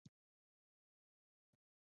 ځکه پروټین لري.